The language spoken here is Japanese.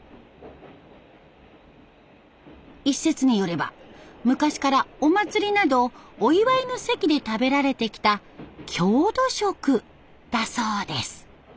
一説によれば昔からお祭りなどお祝いの席で食べられてきた郷土食だそうです。